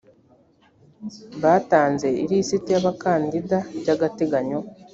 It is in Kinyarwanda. batanze ilisiti y’abakandida by’agateganyo